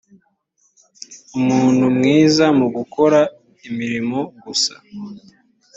umuntu mwiza mu gukora imirimo gusa